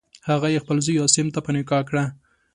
هغه یې خپل زوی عاصم ته په نکاح کړه.